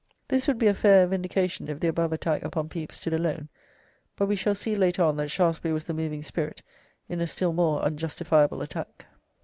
This would be a fair vindication if the above attack upon Pepys stood alone, but we shall see later on that Shaftesbury was the moving spirit in a still more unjustifiable attack.